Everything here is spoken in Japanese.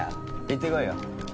行ってこいよ。